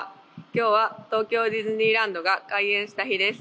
今日は東京ディズニーランドが開園した日です。